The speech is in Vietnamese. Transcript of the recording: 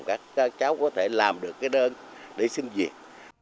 các cháu có thể làm được cái đơn để xin việc